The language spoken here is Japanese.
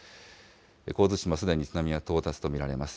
神津島、すでに津波は到達と見られます。